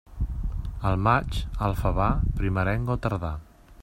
Al maig, el favar, primerenc o tardà.